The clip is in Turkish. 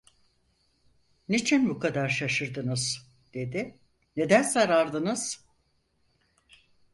"Niçin bu kadar şaşırdınız?" dedi, "Neden sarardınız?"